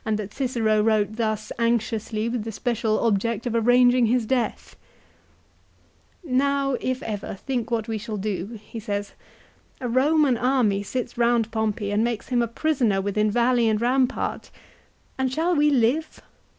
145 that Cicero wrote thus anxiously with the special object of arranging his death ! "Now, if ever, think what we shall do," he says. "A Roman army sits round Pompey and makes him a prisoner within valley and rampart ; and shall we live